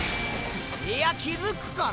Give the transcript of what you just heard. いや気付くから。